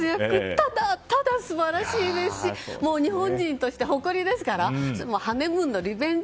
ただただ素晴らしいですし日本人として誇りですからハネムーンのリベンジ